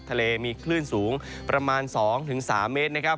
ทะเลมีคลื่นสูงประมาณ๒๓เมตรนะครับ